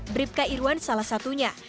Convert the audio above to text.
bribka irwan salah satunya